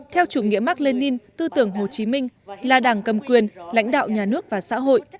theo chủ nghĩa mark lenin tư tưởng hồ chí minh là đảng cầm quyền lãnh đạo nhà nước và xã hội